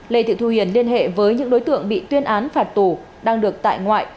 lê thị thu hiền liên hệ với những đối tượng bị tuyên án phạt tù đang được tại ngoại